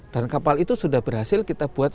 dan kapal itu sudah berhasil kita buat